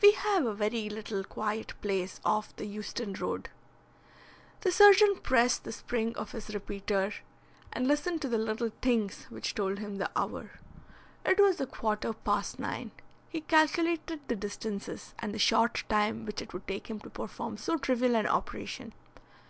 We have a very little quiet place off the Euston Road." The surgeon pressed the spring of his repeater and listened to the little tings which told him the hour. It was a quarter past nine. He calculated the distances, and the short time which it would take him to perform so trivial an operation.